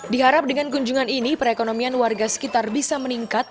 diharap dengan kunjungan ini perekonomian warga sekitar bisa meningkat